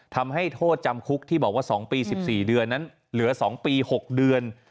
ทำให้โทษจำคุกที่บอกว่า๒ปี๑๔เดือนนั้นเหลือ๒ปี๖เดือน